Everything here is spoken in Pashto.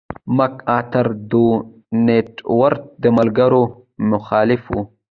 مک ارتر د ونټ ورت د ملګرو مخالف و.